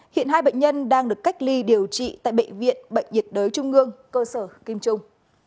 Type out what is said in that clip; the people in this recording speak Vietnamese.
hiện hai bệnh nhân đang được cách ly điều trị tại bệnh viện bệnh nhiệt đới trung ương cơ sở kim trung